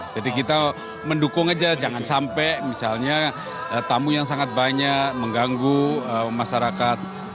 jadi kita mendukung aja jangan sampai misalnya tamu yang sangat banyak mengganggu masyarakat